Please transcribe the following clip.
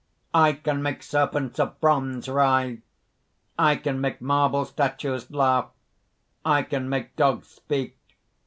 _) "I can make serpents of bronze writhe; I can make marble statues laugh; I can make dogs speak.